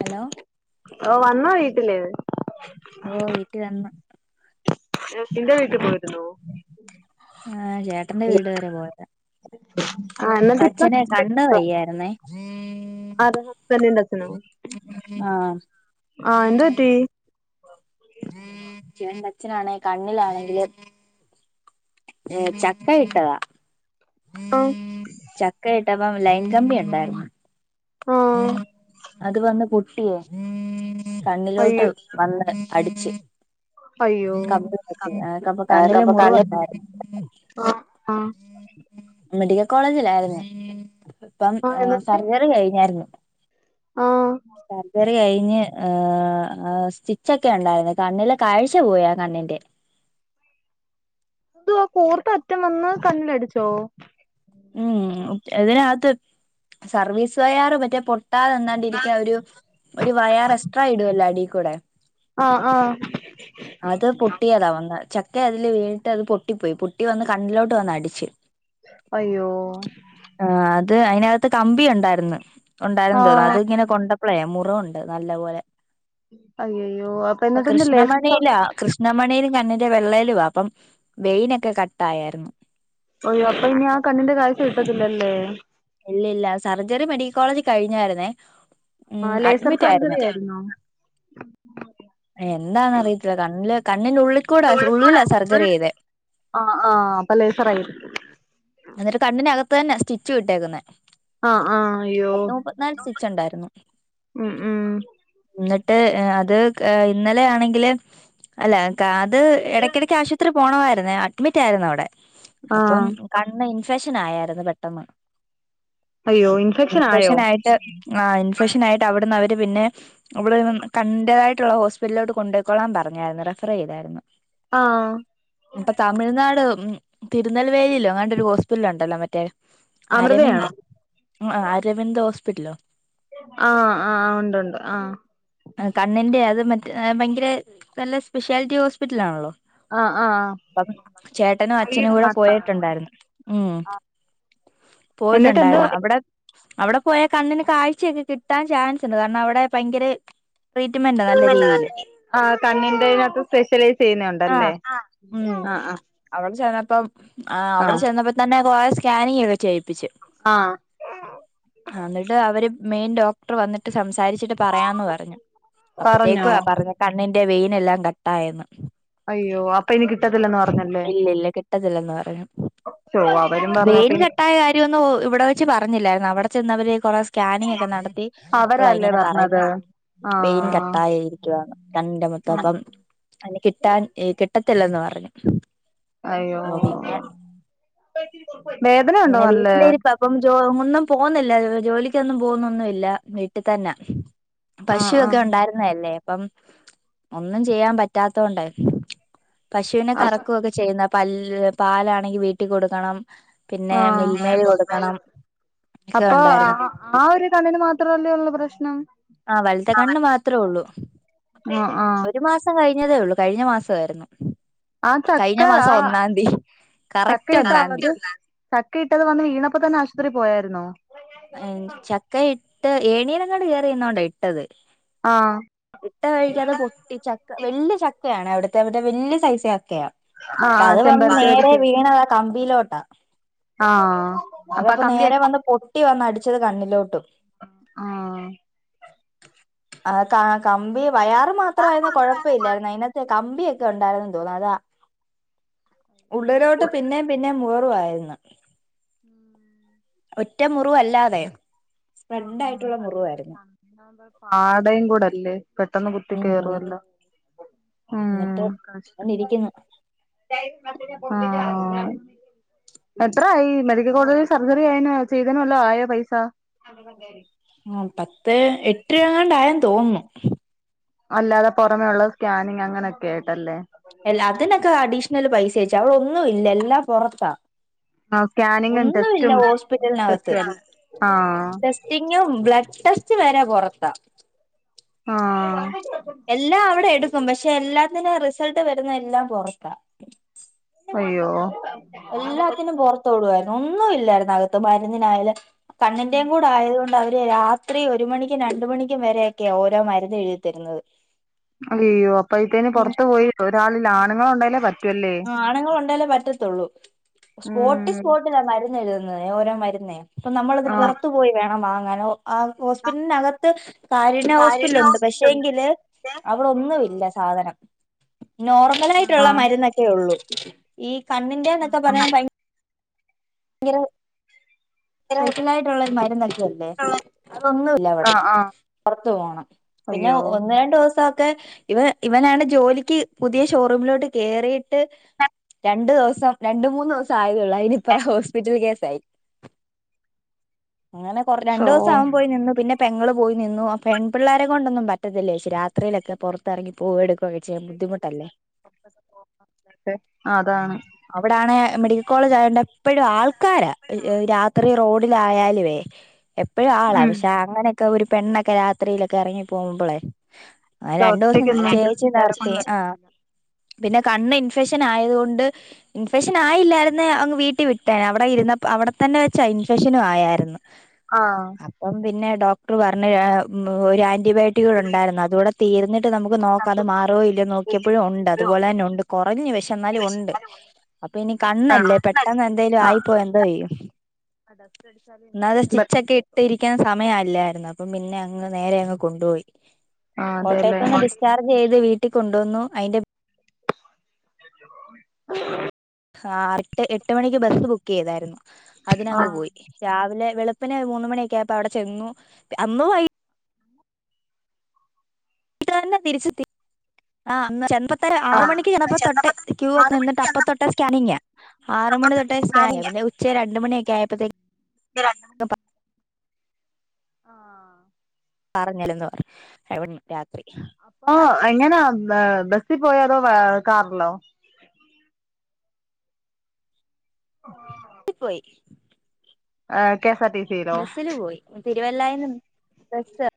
Hello ഓ വന്നോ വീട്ടില് ഓട്ട വ. ഇന്ത വിീട്ട പോ [unintelligible] ആ ചേട്ടന്റെ വീട് വരെ പോയട്ട. ആ എന്നട്ട ഇപ്പ കണ്ണ് [unintelligible] വയ്യായിരുന്നേ അതച്ന ആഹ് ആഹ എന്താറ്റീ [unintelligible] [unintelligible] ന്റെ അച്ഛനാണെ കണ്ണിലാണെങ്കില് [unintelligible] ഏ ചക്ക ഇട്ടതാ. ആ ചക്ക ഇട്ടപ്പ ലൈൻ കമ്പിണ്ടായിരുന്നു ആ അത് വന്ന്. കുട്ടിയെ അയ്യോ കണ്ണിലോട്ട് വന്ന് അടിച്ച്. അയ്യോ അക്കപ്പ കണ്ണില് മുറിവുണ്ടായി. ആ ആ മെഡിക്കൽ കോളേജിലായിരുന്നു ഇപ്പം ആ എന്നിട്ട് സർജറി കഴിഞ്ഞായിരുന്നു. ആ സർജറി കഴിഞ്ഞ്. സ്റ്റിച്ചൊക്കെ ഉണ്ടായിരുന്നു കണ്ണില്െ കാഴ്ച പോയ കണ്ണിന്റെ. അ ആ കോർത്ത അറ്റം വന്ന് കണ്ണിലടിച്ചോ. ഉം ഇതിനകത്ത് സർവീസ് വയറ് മറ്റേ. കിട്ടാതെ തന്നാണ്ടിരിക്കാ ഒരു ഒരു വയർ എറെസ്ട്രാ ഇടല്ലോ അടി കൂടെ. ആ ആ. അത് പൊട്ടിയതാ വന്ന ചക്ക അതില് വീട്ട് അത് പൊട്ടിപ്പോയി പൊട്ടി വന്ന് കണ്ണിലോട്ട് വന്നടിച്ച്. അയ്യോ. ആ് അത് അതിനകത്ത് കമ്പിയ ഉണ്ടായിരുന്നു ആ ഉണ്ടായിന്ന് തോന്നുന്നു അത് ഇങ്ങനെ കൊണ്ട. അളേ മുറുണ്ട് നല്ല പോോലെ. അയ്യയ്യോ അപ്പൊ എന്നിട്ട്ന്താ ലേ. നമ്മ മണലും കണ്ണിൻന്റെ വെള്ളയിലും അപ്പം വെയിനൊക്കെ കട്ട ആായായിരുന്നു. ഒയ്യോ അപ്പൊ ഇനി ആ കണ്ണിന്റെ കാഴ്ച കിട്ടത്തില്ലല്ലേ ഇല്ല ഇല്ല സർജറി മെഡിക്കൽ കോളേജ് കഴിഞ്ഞായിരുന്നേ ആ ഉം ലേസർ അഡ്മിറ്റ് ആയിരുന്നു സർജറി ആയിരുന്നോ എന്താന്ന് അറിയത്തില്ല കണ്ല് കണ്ണിന്റെ ഉള്ളിൽക്കൂടെ ഉള്ളില സർജറി ചെയ്ത് ആ ആഹ് പലേസറായിരിക്കും എന്നിട്ട് കണ്നകത്ത് തന്നെ സ്റ്റിച്ച് ഇ ട്ടേക്കുന്ന ആ ആ ഇ അയ്യോ പത്ത മുപ്പത്തിനാല് സ്റ്റിച്ച് ഉണ്ടായിരുന്നു ഉം ഉം ന്നിട്ട് അത് കെ ഇന്നലെ ആണെങ്കില് അല്ല അത് ഇടക്കിടക്ക് ആശുപത്രി പോണമായിുന്ന അഡ്മിറ്റ് ആയിരുന്നു അവിടെ ആ അപ്പം കണ്ണ് ഇൻഫെക്ഷൻ ആയരുന്നു പെട്ടെന്ന് അയ്യോ ആയോ ഇൻഫെക്ഷൻ ആയിട്ട് ആ ഇൻഫെക്ഷൻ ആയിട്ട് അവിടുന്ന് അവര് പിന്നെ ഇവിടെന്ന് കണ്ടതായിട്ടുള്ള ഹോസ്പിറ്റലിലോട്ട് കൊണ്ടയ്യിക്കോളാൻ പറഞ്ഞായിരുന്നു റഫർ ചെയ്തായിരുന്നു ആഹ ഇപ്പൊ തമിഴ്നാട് തിരുനെൽവേലിയിലോ അങ്ങാണ്ടരു ഹോസ്പിറ്റല ഉണ്ടല്ലോ മറ്റേ അമൃതയാണോ അരവിന്ദോ ആ അരവിദ് ഹോസ്പിറ്റലോ ആഹ ആ ഉണ്ട്ണ്ട് ആ കണ്ണിൻന്റെ അത് മറ്റ ഭയങ്കര നല്ല സ്പെഷ്യാലിറ്റി ഹോസ്പിറ്റൽ ആണല്ലോ ആഹ് ആഹ് അപ്പം ചേട്ടനും അച്ഛനും ഐയുടെ കൂടെ മാത്രമാണോ പോയിട്ടുണ്ടായിരുന്നു ഉം എന്നിട്ട് എന്തോ പോയിട്ടുണ്ടായിരുന്നു അവിടെ അവിടെ പോയാ കണ്ണിന് കാഴ്ചയൊക്കെ കിട്ടാൻ ചാൻസ്ണ്ട് കാരണം അവിടെ ഭയങ്കര ട്രീറ്റ്മെന്റാ നല്ല രീതിയില് ആ് കണ്ണിന്റെകത്ത് സ്പെഷ്യലൈസ് ആ ചെയ്യുന്നണ്ടല്ലേ ഉം ആ ആ അവിടെ ചെന്നന്നപ്പോം അവിടെ ചെന്നന്നപ്പോ തന്നെ കൊറെേ സ്കാനിങ് ഒക്കെ ചെയ്യിപ്പിച്ച് ആഹ എന്നിട്ട് അവര് മെയിൻ ഡോക്ടർ വന്നിട്ട് സംസാരിച്ചിട്ട് പറയാന്ന് പറഞ്ഞു പറഞ്ഞോ അപ്പത്തേക്കു ആ പറഞ്ഞ കണ്ണിന്റെ വെയിന എല്ലാം കട്ടായെന്ന് അയ്യോ അപ്പൊ ഇനി കിട്ടത്തില്ലന്ന് പറഞ്ഞല്ലേോ ഇല്ലില്ല കിട്ടത്തില്ലെന്ന് പറഞ്ഞു അവ വെയിൻ കെട്ടായ കാര്യമൊന്നും ഇവിടെ വെച്ച് പറഞ്ഞില്ലായിരുന്നു അവിടെ ചെന്നവര് കൊറ സ്കാനിങ് ഒക്കെ നടത്തി ഇപ്പളാ അവരല്ലേ ഇങ്ങനെ പറയുന്ന പറഞ്ഞത് വെയിൻ ആഹ് കട്ടായി ഇരിക്കുവാണ് കണ്ണിന്റെറെ ഉം മൊത്തൊപ്പം അ കിട്ടാൻ കിട്ടത്തില്ലന്ന് പറഞ്ഞു അയ്യോ ഓ പിന്നെ വേദന ഉണ്ടോ ഇങ്ങനെ നല്ലേ വീട്ടിലരിപ ഇപ്പം ജോ ഒന്നും പോകുന്നില്ല ജോലിക്കൊന്നും പോകുന്നൊന്നുമല്ല വീട്ടിൽ തന്നെ പശുവൊക്കെ ആഹ് ഉണ്ടായിരുന്നല്ലേ അപ്പം ഒന്നും ചെയ്യാൻ പറ്റാത്ത കൊണ്ട് പശുവിനെ ആഹ് കറക്കുകൊക്കെ ചെയ്യുന്ന പ പാലാണെങ്കി വീട്ടിൽ കൊടുക്കണം പിന്നെ ആ മിൽമേല് കൊടുക്കണം ഒക്കെ അപ്പൊ ഉണ്ടായിരുന്നു ആ ആ ഒരു കണ്ണിന് മാത്രല്ലേ ഉള്ള പ്രശ്നം ആഹ വലുത്തെ കണ്ണ് മാത്രേ ഉള്ളൂ ആ ആ ഒരു മാസം കഴിഞ്ഞതേ ഉള്ളൂ കഴിഞ്ഞ മാസമായിരുന്നു ആഹ് കഴിഞ്ഞ ചക്ക ആ മാസം ഒന്നാം തീയതി ചക്ക കറക്റ്റ് ഇട്ട ഒന്നാം ആത് തീയതി ചക്ക ഇട്ടത് വന്നി വീണപ്പപ്പോ തന്നെ ആശുപത്രിയി പോയരുന്നോ ചക്ക ഇട്ട് ഏണീനങ്ങാട് കയറി ചെയുന്ന കൊണ്ടോ ഇട്ടത് ആ എട്ട വഴിക്കാതെ പോ ചക്ക വലിയ ചക്കയാണ് അവിടുത്തെ അവിടുടെ വലിയ സൈസ് ചക്കയാണ് ആ അപ്പ ആ അത് വന്ന് ചെമ്പരത്തി നേരെ വരിക്ക് വീണതാ കമ്പിയിലോട്ടാ ആ അപ്പൊ ആ അതപ്പോ കമ്പി ആ നേരെ വന്ന് പൊട്ടി വന്ന് അടിച്ചത് കണ്ണിലോട്ടും ആ ആ കകമ്പി വയാർ മാത്രമായിരുന്ന കൊഴപ്പല്ലായിരുന്നു അതിനത്തെ കമ്പിയൊക്കെ ഉണ്ടായിരുന്നുെന്ന് തോന്നുന്നു അതാ ഉള്ളിലോട്ട് പിന്നേ പിന്നെ മുഖ വായിരുന്നു ഉം ഒറ്റ മുറിവല്ലാതെ ആ സ്പ്രെഡ് ആ ആയിട്ടുള്ള കണ്ണിന്റെ മുറിവായിരുന്നു കണ്ണിന്റെ അവിടെ പാടയും കൂടല്ലേ പെട്ടെന്ന് കുത്തി ഉം കയറുംല്ലോ എന്നിട്ട് ഇങ്ങനെ ഇരിക്കുന്നു ആഹ് എത്രായി മെഡിക്കൽ കോളേജിൽ സർജറി ആയന ചെയ്തന് വല്ലോ ആയോ പൈസ ആ പത്ത് എട്ട് രൂപങ്ങണ്ടായെന്ന് തോന്നുന്നു അല്ലാതെ പുറമെയുള്ള സ്കാനിങ് അങ്ങനെയൊക്കെ ആയിട്ടല്ലേ അല്ല അതിനൊക്കെ അഡീഷണൽ പൈസചേച്ചി അവിടെ ഒന്നുമില്ല എല്ലാം പൊറത്ത ആ സ്കാനിങ്ങും ഒന്നുമില്ല ടെസ്റ്റും ഹോസ്പിറ്റലിനകത്ത് ടെസ്റ്റും അല്ല ആഹ് ടീസ്റ്റിംഗ് ബ്ലഡ് ടെസ്റ്റ് വരെ പൊറത്താ ആഹ് എല്ലാം അവിടെ എടുക്കും പക്ഷെ എല്ലാത്തിനും റിസൾട്ട് വരുന്ന എല്ലാം പൊറത്ത അയ്യോ എല്ലാത്തിനും പുറത്തോടുആയിരുന്നു ഒന്നുമില്ലായിരുന്നു അകത്ത് മരുന്നിനായാലും കണ്ണിന്റെയും കൂടെആയത് കൊണ്ട് അവര് രാ രാത്രി ഒരു മണിക്കും രണ്ട് മണിക്കും വരെയൊക്കെയ ഓരോ മരുന്ന് എഴുതിത്തരുന്നത് അയ്യോ അപ്പോഴത്തിന് പുറത്തു പോയി ഒരാളിൽ ആണുങ്ങളൾണ്ടായലേ പറ്റ ആ ആണുങ്ങൾ ഉണ്ടാലേ പറ്റത്തുള്ളൂ സ്പോട്ട് ഉം സ്പോട്ടിലാ മരുന്ന് എഴുതുന്നത് ഓരോ മരുന്നേ അപ്പൊ നമ്മളത് ആഹ് പുറത്തു പോയി വേണം വാങ്ങാനോ ഒ ആ ഹോസ്പിറ്റലിനകത്ത് കാരുണ്യ ഹോസ്പിറ്റലുണ്ട് പക്ഷേ എങ്കിൽ ആഹ് അവിടൊന്നുംഇല്ല സാധനം നോർമൽ ആയിട്ടുള്ള ആഹ് മരുന്നൊക്കെ ഉള്ളൂ ഈ കണ്ണിന്റെ എന്നൊക്കെ പറഞ്ഞാൽ ഭയ ങ്കര [inaudible] സ്പെഷ്യൽ ആയിട്ടുള്ള ഒരു മരുന്നൊക്കെ ഇല്ലേ അതൊന്നുല്ല ഇവിടെ ആഹ് പൊറത്തു പോവണം പിന്നെ അയ്യോ ഒന്ന് രണ്ടു ദിവസൊക്കെ ഇവ ഇവനാണ് ജോലിക്ക് പുതിയ ഷോറൂമിലോട്ട് കേയറിയിട്ട് രണ്ടു ദിവസം രണ്ട് മൂന്ന് ദിവസം ആയതുള്ളൂ അയിന് ഇപ്പ റം ഹോസ്പിറ്റൽ കേസായി അങ്ങനെ കുറെ ശോ രണ്ടുദിവസം അവൻ പോയി നിന്നു പിന്നെ പെങ്ങൾ പോയി നിന്നു ആ പെൺ പിള്ളേരെ കൊണ്ടൊന്നും പറ്റത്തില്ലേച്ചി രാത്രിയിലൊക്കെ പുറത്തിറങ്ങി പോവോ എടുക്കൊ വി [inaudible] അതാണ് അവിടാണെ മെഡിക്കൽ കോളേജ് ആയോണ്ട് എപ്പോഴും ആൾക്കാരാ രാത്രി റോഡിലായാലുവേ എപ്പോഴും ആളാ ഉം പക്ഷെ അങ്ങനെ ഒക്കെ ഒരു പെണ്ണൊക്കെ രാത്രിയിലൊക്കെ എറങ്ങി പോകുമ്പോളേ ആ അത് രണ്ടു ദിവസം ഒറ്റക്കൊന്നും ചേച്ചി എല്ലാരെ നിർത്തി കൊണ്ട് ആഹ് പറ്റത്തില്ല പിന്നെ കണ്ണ് ഇൻഫെക്ഷൻ ആയത് കൊണ്ട് ഇൻഫെക്ഷൻ ആയില്ലായിരുന്നെ അങ്ങ് വീട്ടിൽ വി അവിടെ ഇരുന്നപ്പ അവിടെത്തന്നെ വെച്ച ഇൻഫെക്ഷനും ആയാരുന്നു ആഹ് അപ്പം പിന്നെ ഡോക്ടർപറഞ്ഞു ഒരു ആന്റിബയോട്ടിക് ഉണ്ടായിരുന്നു അതുകൂടെ തീർന്നി ട്ട് നമുക്ക് നോക്കാം അത് മാറോ ഇല്ലയോ നോക്കിയപ്പോഴും ഒണ്ട് അതുപോലെ തന്നെ ഒണ്ട് കുറഞ്ഞു പക്ഷെ എന്നാലും ഒണ്ട് അപ്പൊ ഇനി ഫ്രിക്ഷൻ കണ്ണല്ലേ പെട്ടെന്ന് തന്നെ വല്ലോ ആയിപോയാ എന്ത് ചെയ്യും ഡസ്റ്റ് അടിച്ചാല് ഇൻഫെക്ഷൻ പറ്റും ഇരിക്കാൻ സമയല്ലായിരുന്നു അപ്പ പിന്നെ അങ്ങ് നേരെ അങ്ങ് കൊണ്ടു പോയി ആഹ് അതെല്ലേ കോട്ടയത്ത്ന്ന് ഡിചാർജ് ചെയ്ത് വീട്ടിൽ കൊണ്ടുവന്നു അതിന്റെ പി ആ എട്ട് എട്ട് മണിക്ക് ബസ്സ് ബുക്ക് ചെയ്തായിരുന്നു അതിനങ്ങ് ആഹ് പോയി രാവിലെ വെളുപ്പിന് മൂന്ന് മണിയൊക്കെ ആയപ്പ അവിടെ ചെന്നു അന്ന് വൈ വീട്ട തന്നെ തിരിച്ചെത്തി ആ അ ആറ മണിക്ക്ഞാപ്പ തൊട്ട ക്യൂ ഒക്കെ നിിട്ട് അപ്പം തൊട്ട സ്കാനിങ്്യാ ആറ് മണി തൊട്ടേ സ്കാനിംഗ് പിന്നെ ഉച്ച രണ്ടുമണിയൊക്കെ ആയപ്പോത്തെ പി ആ പറഞ്ഞിരുന്നു രാത്രി അപ്പൊ എങ്ങനാ ബസിൽ പോയാലോ കാറിലോ പോയി ആഹ് കേസാർടീസി ബസ്സില് പോയി തിരുവല്ലായിന്നു ബസ്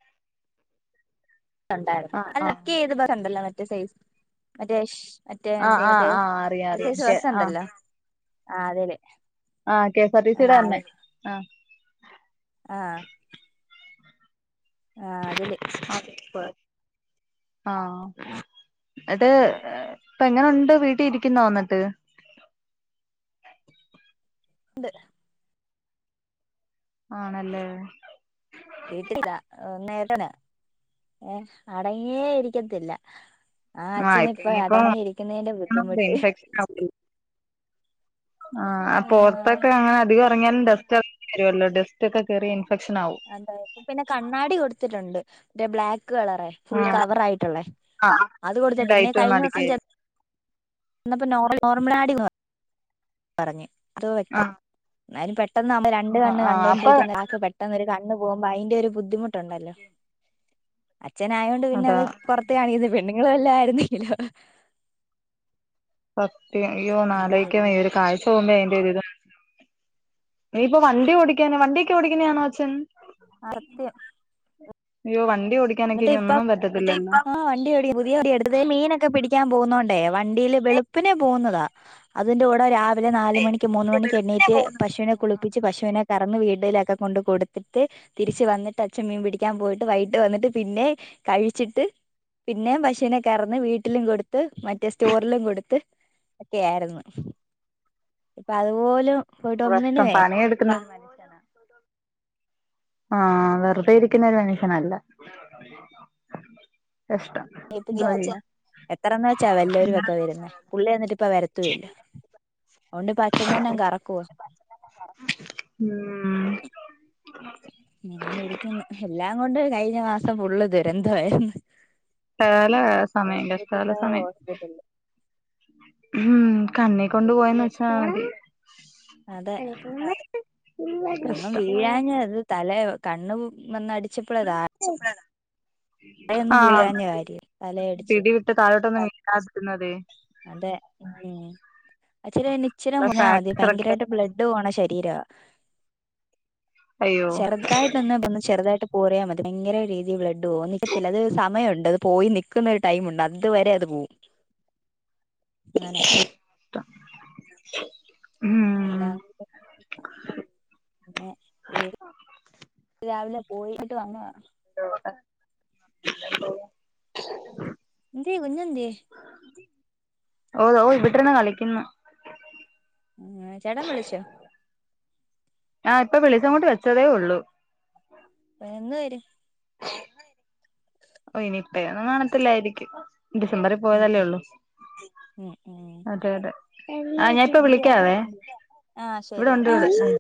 ആഹ് ആഹ് അല്ലക്കെ ഏത് പ ഉണ്ടല്ലോ മറ്റേ സൈസ് മറ്റേ മറ്റേ ആഹ് എന്തോ ആഹ് മറ്റേ ആഹ് അറിയാം അറിയാം പ്രത്യേകിച്ച് ആഹ് രസുണ്ടല്ലോ ആ അതെല്ലേ ആഹ് കെ എസ് ആർ ടി സിയുടെ തന്നെ ആഹ് ആഹ് ആഹ് അതില് അതെ ആഹ് അത് പോയി ഇപ്പൊ എങ്ങനെ ഉണ്ട് വീട്ടിൽ ഇരിക്കുന്നോ ന്നിട്ട് എന്ത് ആണല്ലേ വീട്ടിലില്ല ഒന്ന നേട്ടന് ഏ അടങ്ങിയേ ഇരിക്കത്തില്ല ആ ആഹ് അച്ഛന് ഇപ്പ ഇപ്പൊ അടങ്ങിയിരിക്കുന്നതിന്റെ ബുദ്ധിമുട്ട് ക്കെ ആ അപ്പൊ ആഹ് പുറത്തൊക്കെ അങ്ങനെ അധികം ഇറങ്ങിയാലും ഡസ്ട്ടൊക്കെ കേറി ഇൻഫെക്ഷൻ ആവും അതായപ്പ പിന്നെ കണ്ണാടി കൊടുത്തിട്ടുണ്ട്റ്റേ ബ്ലാക്ക് കളറ ഫുൾ ആഹ് കവർ ആയിട്ടുള്ളേ ആഹ് അത് കൊടുത്ത പിന്നെ ലൈറ്റ് ഒന്നും കഴിഞ്ഞ ദിവസം അടിക്കായി ച എന്നന്നപ്പോ നോർമൽ ആടി പോ [unintelligible] പറഞ്ഞു അതോ വെ ആഹ് എായാലും പെട്ടെന്ന് നമ്മൾ രണ്ട ആഹ് കണ്ണ് ആഹ് അപ്പൊ കണ്ടൊണ്ടിരിക്കുന്നരാൾക്ക് പെട്ടെന്ന് ഒരു കണ്ണ് പോകുമ്പോ അയ്‌ന്റെ ഒരു ബുദ്ധിമുട്ടുണ്ടല്ലോ അച്ഛനയതോൊണ്ട് പിന്നെ അതാ അത് പുറത്ത് കാണിക്കുന്ന പെണ്ണുങ്ങൾെല്ലാം ആയിരുന്നല്ലോ സത്യം അയ്യോ അങ്ങനെ ഒന്നാലോയ്ക്കൻ വയ്യ ഇരിക്കുന്നു ഒരു കാഴ്ച ഇപ്പോൾ വണ്ടിയോടിക്കാനൊക്ക്വ വണ്ടിയൊടിക്കുന്നയാണോ അച്ഛൻ അത്യം അയ്യോ വണ്ടി ഓടിക്കാനൊക്കെ ഇനി ഒന്നും പറ്റത്തില്ലല്ലോ ആ വണ്ടിയോടി പുതിയ എടുത്ത് മീനൊക്കെ പിടിക്കാൻ പോവുന്നോണ്ടേ വണ്ടിയിൽ വെളുപ്പിനെ പോകുന്നതാ അതിന്റെ കൂടെ രാവിലെ നാല മണിക്ക് മൂന്ന് മണിക്ക് എണ്ണീറ്റ് പശുവിനെ കുളിപ്പി പ്പിച്ച് പശുവിനെ കറന്ന് വീടിലൊക്കെ കൊണ്ട് കൊടുത്തിട്ട് തിരിച്ച് വന്നിട്ട് അച്ഛൻ മീൻ പിടിക്കാൻ പോയിട്ട് വൈകിട്ട് വന്നിട്ട് പിന്നെ കഴിച്ചിട്ട് പിന്നെ പശീവിനെ കറന്ന് വീട്ടിലും കൊടുത്ത് മറ്റേ സ്റ്റോറിലും കൊടുത്ത് ഒക്കെയ ആയിരുന്നു ഇപ്പൊ അതുപോലും പോയിട്ട് ഇഷ്ടം ഒന്നിനുവേ പണിയെടുക്കുന്ന മനുഷ്യാണ് ആഹ് വെറുതെ ഇരിക്കുന്നരു മനുഷ്യനല്ല കഷ്ട്ടം കേൾപ്പിച്ചയിരുന്നേ എത്രെന്ന വെച്ചാ വല്ലരും ഒക്കെ വരുന്നേ പുള്ളി എന്നിട്ട് ഇപ്പ വരത്തൂല്ലോ അതോണ്ട് പച്ച തന്നെ കറക്കുവ ഉം അങ്ങന ഇരിക്കുന്നു എല്ലാം കൊണ്ട് കഴിഞ്ഞ മാസം ഫുള്ളു ദുരന്തമായിരുന്നു കാല സമയം കഷ്ടകാല ഹോസ്പിറ്റലോ സമയം ഹോസ്പിറ്റല് ഉം കണ്ണി കൊണ്ട് പോയന്ന് ഫുള്ള് വെച്ചാ മതി അതെ അങ്ങ് കഷ്ടം വീഴാഞ്ഞ അത് തലെ കണ്ണും വന്നടിച്ചപ്പളതാത്ത [inaudible] ആഹ് വീഴാഞ്ഞ കാര്യം തലയടിച്ച് പിടി ഇട്ട് കാലോട്ടൊന്നും [inaudible] അതെ [inaudible] അച്ചിരി നിച്ചിര മുറിഞാമതി ഫ്രാക്ചർ ഒക്കെ ഭയങ്കരായിട്ട് ബ്ലഡ് പോണ ശരീരാ ഹ്.. അയ്യോ ചെറുതായിട്ട് ഒന്നുവീണു ചെറുതായിട്ട് ഓറിയാ മതി ഭയങ്കര രീതിൽ ബ്ലഡ് പോകും നിക്കത്തില്ല അത് സമയമുണ്ട് അത് പോയി നിക്കുന്നൊരു ടൈമുണ്ട്. അതുവരെ അത് പോവും അങ്ങനെ [inaudible] ഉം എല്ലാം കൊണ്ടു [inaudible] പിന്നെ വേ [inaudible] രാവിലെ പോയിട്ട് വന്നതാണ് പില്ലോ [unintelligible] എന്തെ.. കുഞ്ഞെന്തിയെ.. ഓ ഓ ഇബ്ടെര്ന്ന്കളിക്കുന്നു ങ് ആ ചേട്ടൻ വിളിച്ചോ.. ആ ഇപ്പ വിളിച്ചോണ്ട് വച്ചതേ ഉള്ളൂ വ എങ്ങ് വരും [inaudible] ഓ യിനിപ്പയൊന്നും കാണത്തില്ലായിരിക്കും ഡിസംബറിൽ പോയതല്ലേ ഉം ഉള്ളൂ. ഉം ഉം അതെ അതെ ആഹ് ഞാാനിപ്പ എന്തേ അമ്മ വിളിക്കാവേ. വരണ്ടേ ആ ഇവിടെ ശരി ഓക്കെ ഉണ്ട് [inaudible]